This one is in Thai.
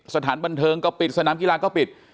สถานบันเทิงก็ปิดสนามกีฬาก็ปิด